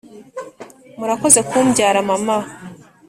murakoze kumbyara mama!